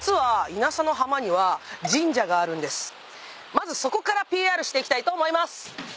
まずそこからＰＲしていきたいと思います。